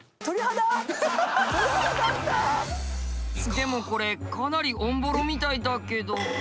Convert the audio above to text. でもこれかなりオンボロみたいだけど。